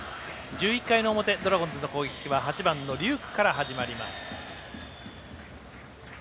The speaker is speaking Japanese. １１回の表、ドラゴンズの攻撃は８番の龍空から始まります。